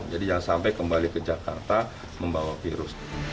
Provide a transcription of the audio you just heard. jadi jangan sampai kembali ke jakarta membawa virus